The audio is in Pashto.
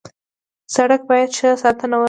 سړک باید ښه ساتنه ولري.